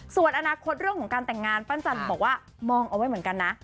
ส่วนอนาคตเรื่องของการแต่งงานปั้นจันทร์บอกว่ามองเอาไว้เหมือนกันนะ